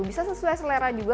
bisa sesuai selera juga